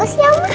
bagus ya om